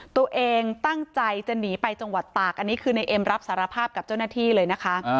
ตัวเองตั้งใจจะหนีไปจังหวัดตากอันนี้คือในเอ็มรับสารภาพกับเจ้าหน้าที่เลยนะคะ